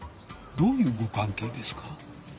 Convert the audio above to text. どういうご関係ですか？